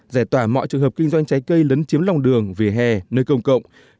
giải tỏa mọi trường hợp kinh doanh trái cây lấn chiếm lòng đường vỉa hè nơi công cộng